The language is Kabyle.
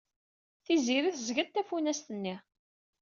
Tiziri teẓẓeg-d tafunast-nni.